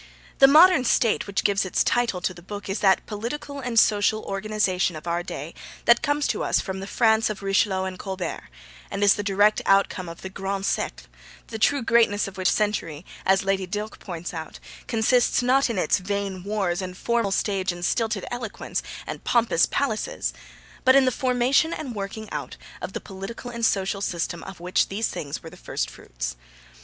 The 'modern State' which gives its title to the book is that political and social organisation of our day that comes to us from the France of Richelieu and Colbert, and is the direct outcome of the 'Grand Siecle,' the true greatness of which century, as Lady Dilke points out, consists not in its vain wars, and formal stage and stilted eloquence, and pompous palaces, but in the formation and working out of the political and social system of which these things were the first fruits.